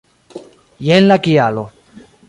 Jen la kialo.